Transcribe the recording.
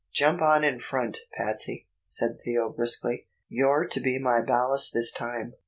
"Jump on in front, Patsey," said Theo briskly. "You're to be my ballast this time."